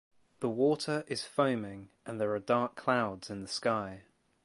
The water is foaming and there are dark clouds in the sky.